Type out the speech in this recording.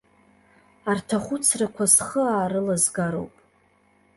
Арҭ ахәыцрақәа схы аарылызгароуп!